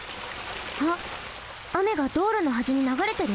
あっあめがどうろのはじにながれてる？